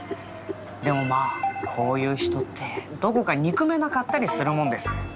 でもまあこういう人ってどこか憎めなかったりするもんです。